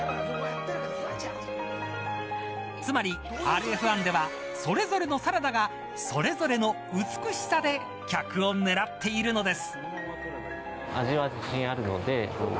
つまりＲＦ−１ではそれぞれのサラダがそれぞれの美しさで客を狙っているのです。